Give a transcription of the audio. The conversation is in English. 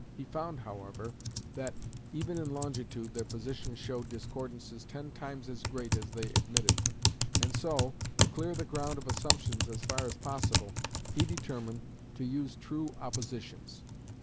He found, however, that even in longitude their positions showed discordances ten times as great as they admitted, and so, to clear the ground of assumptions as far as possible, he determined to use true oppositions.